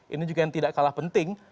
ini juga yang tidak kalah penting